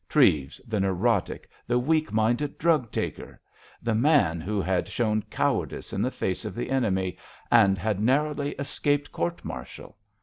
Treves, the neurotic, the weak minded drug taker! The man who had shown cowardice in the face of the enemy, and had narrowly escaped court martial!